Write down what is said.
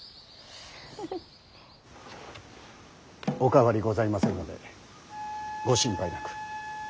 お変わりございませんのでご心配なく。